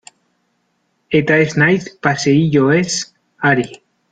Eta ez naiz paseilloez ari.